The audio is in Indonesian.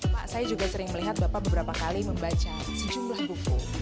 pak saya juga sering melihat bapak beberapa kali membaca sejumlah buku